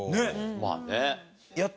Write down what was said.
まあね。